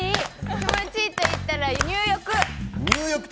気持ちいいといったら入浴。